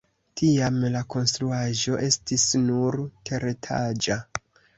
Tiam la konstruaĵo estis nur teretaĝa.